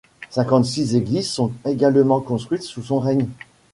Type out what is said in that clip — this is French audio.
Cinquante-six églises sont également construites sous son règne.